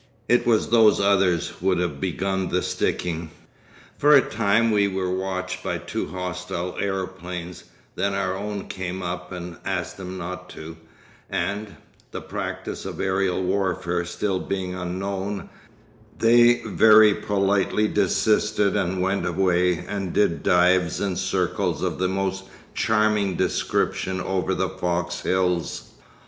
It was those others would have begun the sticking.... 'For a time we were watched by two hostile aeroplanes; then our own came up and asked them not to, and—the practice of aerial warfare still being unknown—they very politely desisted and went away and did dives and circles of the most charming description over the Fox Hills.